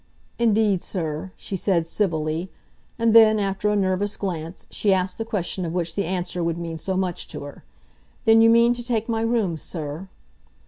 "Indeed, sir," she said civilly; and then, after a nervous glance, she asked the question of which the answer would mean so much to her, "Then you mean to take my rooms, sir?"